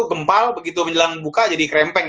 gempal begitu menjelang buka jadi krempeng